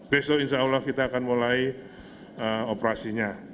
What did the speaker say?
besok insya allah kita akan mulai operasinya